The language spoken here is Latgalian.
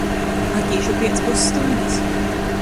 Atīšu piec pusstuņdis.